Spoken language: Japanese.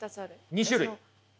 ２種類？